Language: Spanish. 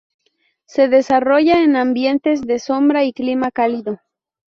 Se desarrolla en ambientes de sombra y clima cálido.